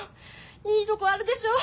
いいとこあるでしょ？